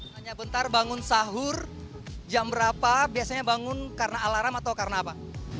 hanya bentar bangun sahur jam berapa biasanya bangun karena alarm atau karena apa